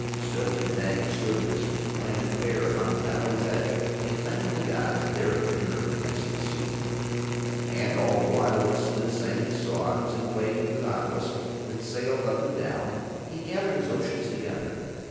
Still Tintaggon stood with his feet planted fair upon the valley's edge defending the gods and Their green earth against the sea. And all the while that Slid sang his songs and played with the nautilus that sailed up and down he gathered his oceans together.